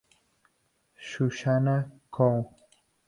Susana Chou.